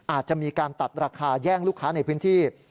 อาจจะมีการตัดราคาแย่งลูกค้าในพื้นที่